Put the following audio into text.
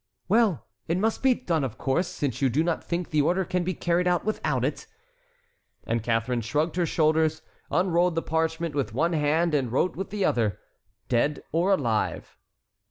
"Well, it must be done, of course, since you do not think the order can be carried out without it." And Catharine shrugged her shoulders, unrolled the parchment with one hand, and wrote with the other: "dead or alive."